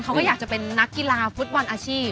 เขาก็อยากจะเป็นนักกีฬาฟุตบอลอาชีพ